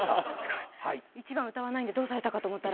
１番歌わないのでどうされたかと思ったら。